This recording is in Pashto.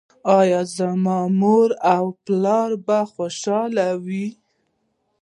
ایا زما مور او پلار به خوشحاله وي؟